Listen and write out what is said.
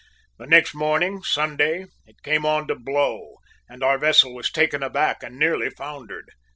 "The next morning, Sunday, it came on to blow, and our vessel was taken aback and nearly foundered.